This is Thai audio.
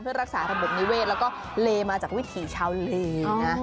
เพื่อรักษาระบบนิเวศแล้วก็เลมาจากวิถีชาวเลนะ